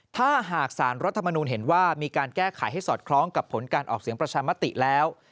ถ้าหากสารรัฐมนูลเห็นว่ามีการแก้ไขให้สอดคล้องกับผลการออกเสียงประชามติแล้ว